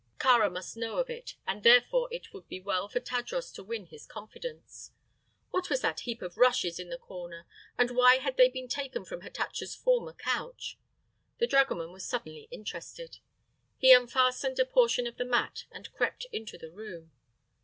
Kāra must know of it, and therefore it would be well for Tadros to win his confidence. What was that heap of rushes in the corner, and why had they been taken from Hatatcha's former couch? The dragoman was suddenly interested. He unfastened a portion of the mat and crept into the room.